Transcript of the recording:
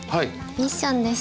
ミッションです。